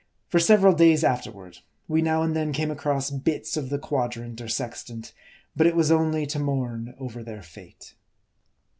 For several days after ward, we now and then came across bits of the quadrant or sextant ; but it was only to mourn over their fate.